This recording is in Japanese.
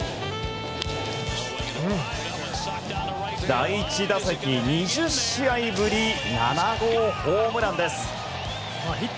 第１打席、２０試合ぶり７号ホームランです。